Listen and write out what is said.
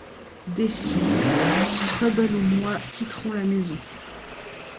Décide. Strubble ou moi quitterons la maison.